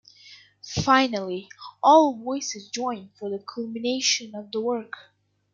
Finally all voices join for the culmination of the work.